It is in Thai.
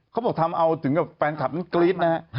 เขาบอกทำเอาถึงกับแฟนคลับอังกฤษนะครับ